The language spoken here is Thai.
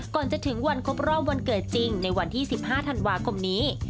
ก่อนจะถึงวันครบรอบวันเกิดจริงในวันที่๑๕ธันวาคมนี้